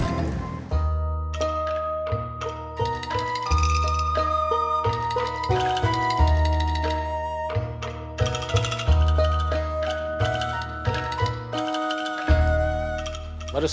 hanya pe angela